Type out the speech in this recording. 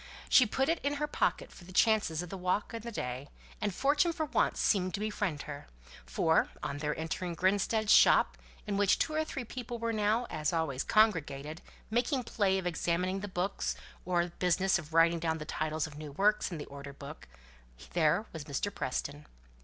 She put it into her pocket for the chances of the walk and the day, and fortune for once seemed to befriend her; for, on their entering Grinstead's shop, in which two or three people were now, as always, congregated, making play of examining the books, or business of writing down the titles of new works in the order book, there was Mr. Preston.